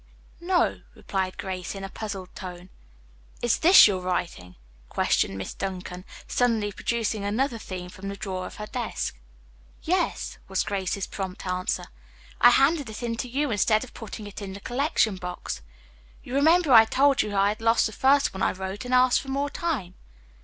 "No," replied Grace, in a puzzled tone. "Is this your writing?" questioned Miss Duncan, suddenly producing another theme from the drawer of her desk. "Yes," was Grace's prompt answer. "I handed it in to you instead of putting it in the collection box. You remember I told you I had lost the first one I wrote and asked for more time."